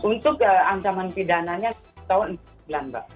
untuk ancaman pidananya tahun bulan mbak